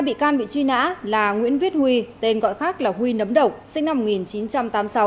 năm bị can bị truy nã là nguyễn viết huy tên gọi khác là huy nấm động sinh năm một nghìn chín trăm tám mươi sáu